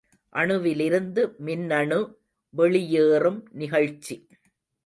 அணுவிலிருந்து மின்னணு வெளியேறும் நிகழ்ச்சி.